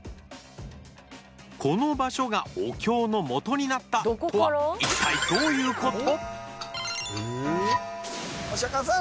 この場所がお経のモトになったとは一体どういうこと？